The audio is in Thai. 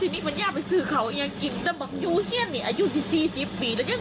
มีค่ะแล้วมันหลายอย่างเลยมันหลายเทียร์แล้ว